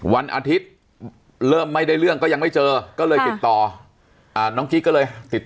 วันอาทิตย์เริ่มไม่ได้เรื่องก็ยังไม่เจอก็เลยติดต่อน้องกิ๊กก็เลยติดต่อ